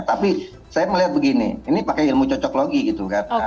tapi saya melihat begini ini pakai ilmu cocok lagi gitu kan